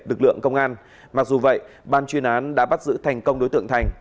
lực lượng công an mặc dù vậy ban chuyên án đã bắt giữ thành công đối tượng thành